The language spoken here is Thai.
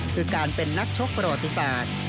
คือการเป็นนักชกประวัติศาสตร์